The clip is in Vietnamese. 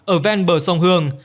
ở ven bờ sông hương